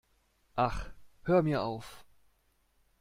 Ach, hör mir auf!